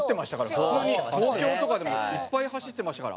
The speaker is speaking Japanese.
普通に東京とかでもいっぱい走ってましたから。